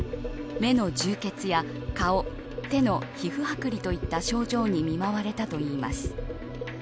目の充血や顔手の皮膚剥離といった症状に見舞われたといいます。